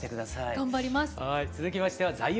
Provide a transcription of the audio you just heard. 頑張ります。